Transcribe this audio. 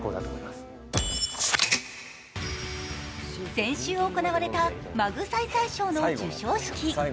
先週行われたマグサイサイ賞の授賞式。